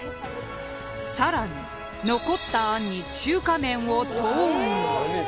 さらに残ったあんに中華麺を投入。